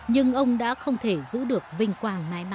nhưng ông đã không thể giữ được vinh quang mãi